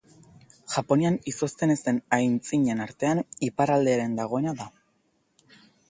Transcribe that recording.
Japonian izozten ez den aintziren artean iparralderen dagoena da.